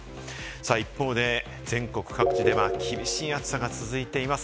一方で、全国各地では厳しい暑さが続いています。